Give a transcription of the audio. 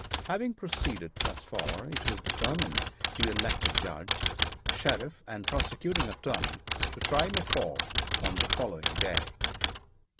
Having proceeded thus far, it was determined to elect a judge, sheriff and prosecuting attorney to try McCall on the following day.